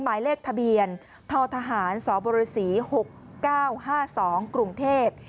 หมายเลขทะเบียนทอทหารสบริษีหกเก้าห้าสองกรุงเทพฯ